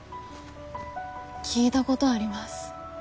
聞いたごどあります。